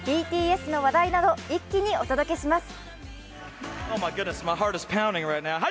ＢＴＳの話題など一気にお届けします。